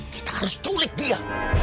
kita harus culik dia